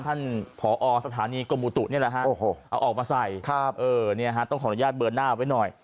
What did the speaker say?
ผอสถานีกรมอุตุนี่แหละฮะเอาออกมาใส่ต้องขออนุญาตเบอร์หน้าไว้หน่อย